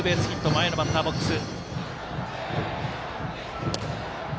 前のバッターボックス。